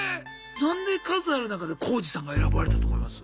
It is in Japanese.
何で数ある中でコウジさんが選ばれたと思います？